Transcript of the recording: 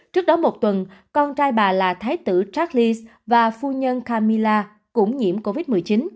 trước đó một tuần con trai bà là thái tử tralis và phu nhân kamila cũng nhiễm covid một mươi chín